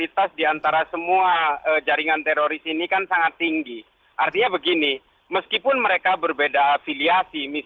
kan saya merasakan itu tem ludwi jenderal yang dia kepada huruf telefone